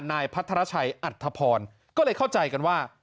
นายพัทรชัยอัธพรก็เลยเข้าใจกันว่า